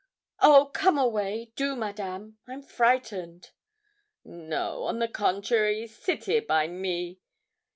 'Oh, come away! do, Madame I'm frightened.' 'No, on the contrary, sit here by me.